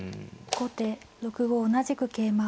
後手６五同じく桂馬。